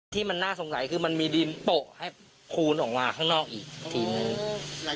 ที่มันน่าสงสัยคือมันมีดินโปะให้คูณออกมาข้างนอกอีกทีนึง